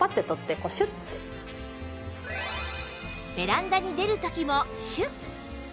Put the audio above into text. ベランダに出る時もシュッ！